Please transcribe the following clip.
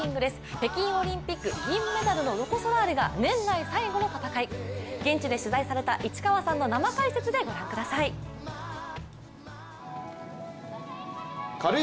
北京オリンピック銀メダルのロコ・ソラーレが年内最後の戦い、現地で取材された市川さんの生解説でご覧ください。